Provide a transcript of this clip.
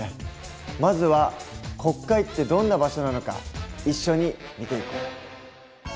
まずは国会ってどんな場所なのか一緒に見ていこう。